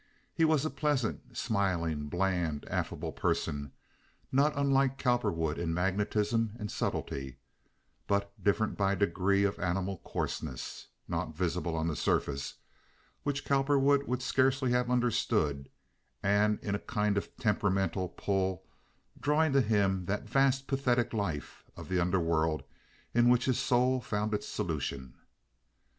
He was a pleasant, smiling, bland, affable person, not unlike Cowperwood in magnetism and subtlety, but different by a degree of animal coarseness (not visible on the surface) which Cowperwood would scarcely have understood, and in a kind of temperamental pull drawing to him that vast pathetic life of the underworld in which his soul found its solution.